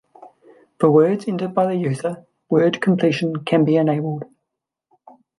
For words entered by the user, word completion can be enabled.